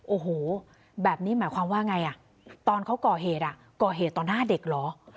โอ้โหแบบนี้หมายความว่าไงอ่ะตอนเขาก่อเหตุก่อเหตุต่อหน้าเด็กเหรอ